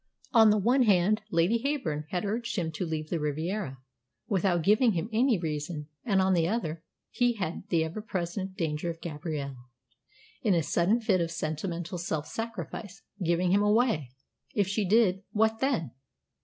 On the one hand, Lady Heyburn had urged him to leave the Riviera, without giving him any reason, and on the other, he had the ever present danger of Gabrielle, in a sudden fit of sentimental self sacrifice, "giving him away." If she did, what then?